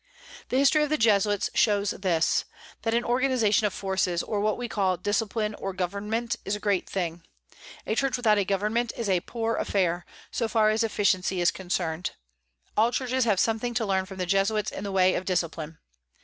The history of the Jesuits shows this, that an organization of forces, or what we call discipline or government, is a great thing. A church without a government is a poor affair, so far as efficiency is concerned. All churches have something to learn from the Jesuits in the way of discipline.